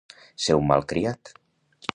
Ser un malcriat.